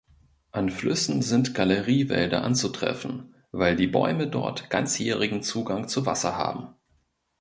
An Flüssen sind Galeriewälder anzutreffen, weil die Bäume dort ganzjährigen Zugang zu Wasser haben.